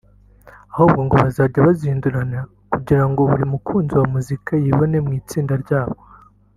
ahubwo ngo bazajya bazihinduranya kugira ngo buri mukunzi wa muzika yibone mu itsinda ryabo